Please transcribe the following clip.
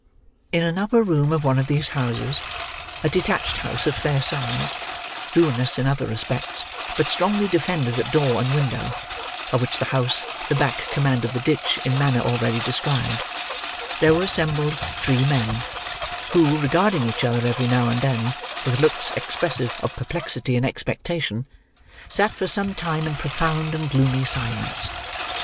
In an upper room of one of these houses—a detached house of fair size, ruinous in other respects, but strongly defended at door and window: of which house the back commanded the ditch in manner already described—there were assembled three men, who, regarding each other every now and then with looks expressive of perplexity and expectation, sat for some time in profound and gloomy silence.